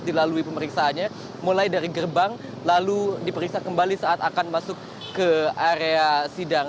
dilalui pemeriksaannya mulai dari gerbang lalu diperiksa kembali saat akan masuk ke area sidang